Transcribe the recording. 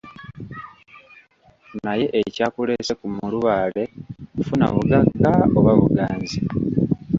Naye ekyakuleese ku mulubaale kufuna bugagga oba buganzi?